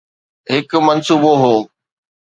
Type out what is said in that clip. هڪ منصوبو هو.